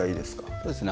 そうですね